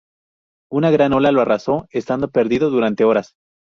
Una gran ola, lo arrastró, estando perdido durante horas.